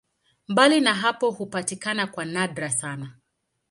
Mbali na hapo hupatikana kwa nadra sana.